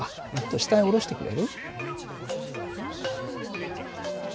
下に下ろしてくれる？